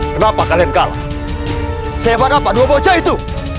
kenapa kalian kalah siapa dapat dua bocah itu